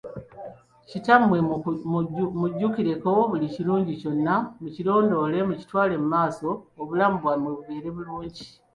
Kittamwe mu mujjukireko buli kirungi kyonna mu kirondoole mukitwale mumaaso obulamu bwammwe bubeere bulungi.